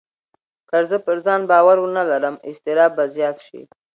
که زه پر ځان باور ونه لرم، اضطراب به زیات شي.